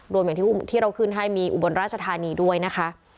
รวมอย่างที่เราขึ้นให้มีอุบลราชธานีด้วยนะคะ